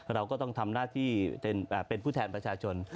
เราก็ต้องทำหน้าที่เป็นผู้แทนประชาชน